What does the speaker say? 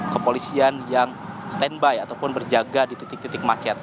kepolisian yang standby ataupun berjaga di titik titik macet